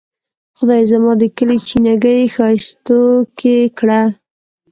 خدایه زما د کلي چینه ګۍ ښائستوکې کړه.